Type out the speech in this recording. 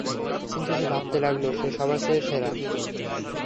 কিন্তু সে ভাবতে লাগল, সে সবার চেয়ে সেরা।